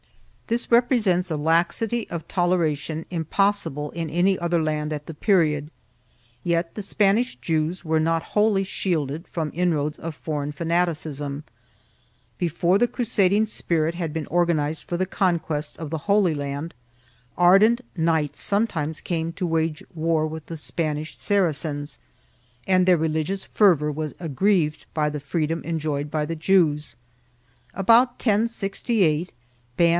5 This represents a laxity of toleration impossible in any other land at the period, yet the Spanish Jews were not wholly shielded from inroads of foreign fanaticism. Before the crusading spirit had been organized for the conquest of the Holy Land, ardent knights sometimes came to wage war with the Spanish Saracens, 1 Amador de los Rios, II, 74 5. 2 Leyes de Estilo, 89 90.